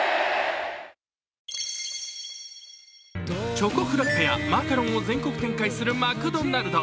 チョコフラッペやマカロンを全国展開するマクドナルド。